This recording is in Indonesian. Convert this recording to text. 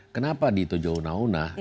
kenapa di tojounah unah